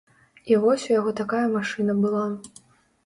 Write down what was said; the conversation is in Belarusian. І вось у яго такая машына была.